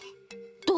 どう？